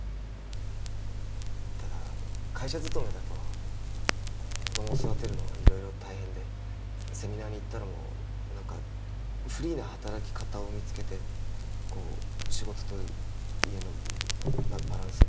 ただ会社勤めだと子供育てるのは色々大変でセミナーに行ったのも何かフリーな働き方を見つけてこう仕事と家のバランス？